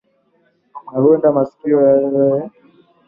na huenda masikio yao yakaja kutua kwenye muziki wa Singeli Kwa sasa si kituo